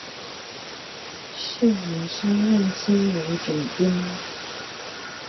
翌年升任金门总兵。